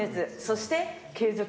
そして。